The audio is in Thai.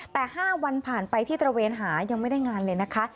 แต่๕วันผ่านไปที่ตระเวนหายังไม่ได้งานเลยนะคะ